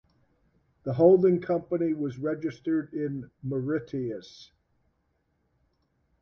The holding company was registered in Mauritius.